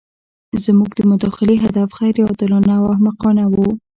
زموږ د مداخلې هدف غیر عادلانه او احمقانه وو.